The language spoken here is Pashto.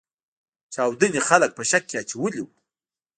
چاودنې خلګ په شک کې اچولي وو.